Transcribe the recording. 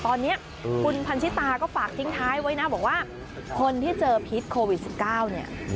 ตอนนี้คุณพันธิตาก็ฝากทิ้งท้ายไว้นะบอกว่าคนที่เจอพิษโควิด๑๙เนี่ย